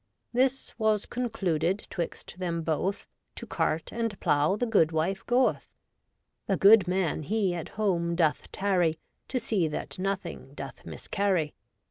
This was concluded 'twixt them both : To cart and plow the goodwife goeth. The good man he at home doth tarry. To see that nothing doth miscarry.